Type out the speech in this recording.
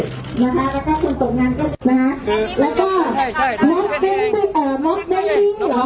หางานทำเนี่ยไม่ใช่เรื่องง่ายนะฮะ